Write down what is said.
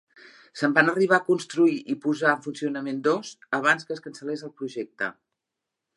Se'n van arribar a construir i posar en funcionament dos abans que es cancel·lés el projecte.